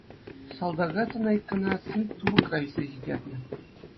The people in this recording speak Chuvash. Салтака Танайкӑна цинк тупӑкра илсе ҫитернӗ.